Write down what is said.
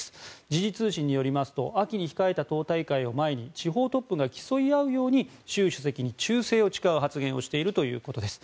時事通信によりますと秋に控えた党大会を前に地方トップが競い合うように習主席に忠誠を誓う発言をしているということです。